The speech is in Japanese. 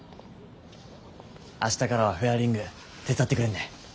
明日からはフェアリング手伝ってくれんね。